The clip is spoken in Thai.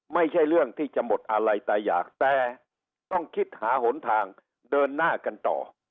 ไม่ใช่เรื่องที่จะหมดอะไรแต่อยากแต่ต้องคิดหาหนทางเดินหน้ากันต่อ